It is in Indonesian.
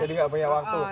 jadi nggak punya waktu